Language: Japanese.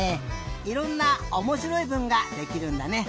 いろんなおもしろいぶんができるんだね。